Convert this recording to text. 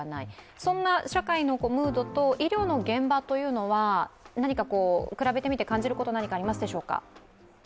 そんな社会のムードと医療の現場というのは比べてみて感じること、何かありますでしょうか？